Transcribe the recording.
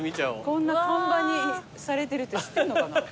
こんな看板にされてるって知ってるのかな。